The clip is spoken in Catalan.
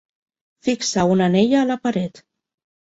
Fixar una anella a la paret.